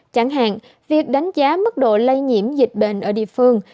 chẳng hạn việc đánh giá mức độ lây nhiễm dịch bệnh ở địa phương